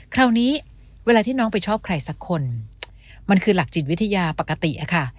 คราวนี้เวลาที่น้องไปชอบใครสักคนมันคือหลักจิตวิทยาปกติอะค่ะ